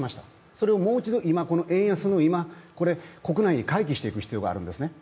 それをもう一度、円安の今、国内に回帰していく必要があるんですね。